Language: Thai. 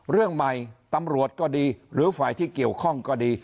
เรื่องใหม่ตำรวจก็ดีหรือฝ่ายที่เกี่ยวข้องก็ดี